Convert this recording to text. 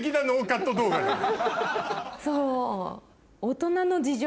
そう。